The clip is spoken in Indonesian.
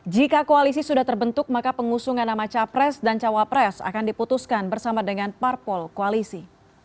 jika koalisi sudah terbentuk maka pengusungan nama capres dan cawapres akan diputuskan bersama dengan parpol koalisi